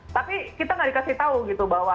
tapi kita nggak dikasih tahu gitu bahwa